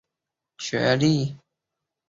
学历多为大学文凭。